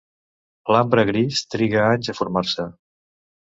L'ambre gris triga anys a formar-se.